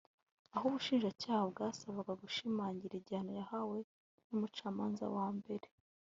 aho ubushinjacyaha bwasabaga gushimangira igihano yahawe n’umucamanza wa mbere